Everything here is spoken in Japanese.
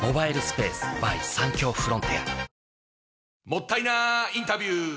もったいなインタビュー！